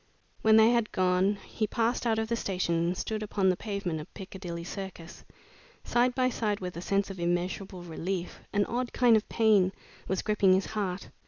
When they had gone, he passed out of the station and stood upon the pavement of Piccadilly Circus. Side by side with a sense of immeasurable relief, an odd kind of pain was gripping his heart.